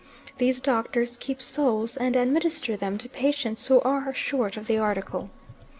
These doctors keep souls and administer them to patients who are short of the article.